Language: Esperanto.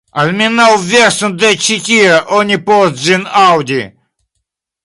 Almenaŭ verston de ĉi tie oni povas ĝin aŭdi!